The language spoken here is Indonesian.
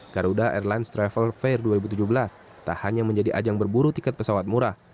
garuda airlines travel fair dua ribu tujuh belas tak hanya menjadi ajang berburu tiket pesawat murah